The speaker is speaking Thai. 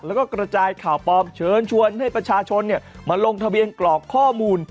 แล้วก็กระจายข่าวปลอมเชิญชวนให้ประชาชนมาลงทะเบียนกรอกข้อมูล